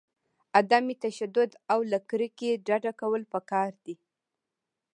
عدم تشدد او له کرکې ډډه کول پکار دي.